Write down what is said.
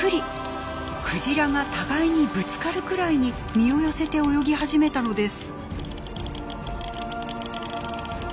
クジラが互いにぶつかるくらいに身を寄せて泳ぎ始めたのです。